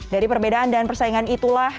dari perbedaan dan persaingan itulah